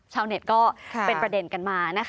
ชาวเน็ตก็เป็นประเด็นกันมา